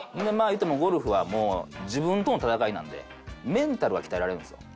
いうてもゴルフは自分との闘いなのでメンタルは鍛えられるんですよ。